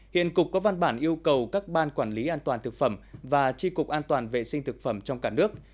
hiện cục có văn bản yêu cầu các ban quản lý an toàn thực phẩm và tri cục an toàn vệ sinh thực phẩm trong cả nước